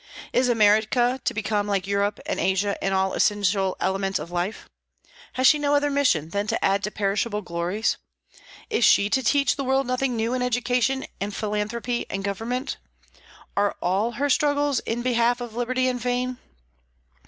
Is America to become like Europe and Asia in all essential elements of life? Has she no other mission than to add to perishable glories? Is she to teach the world nothing new in education and philanthropy and government? Are all her struggles in behalf of liberty in vain?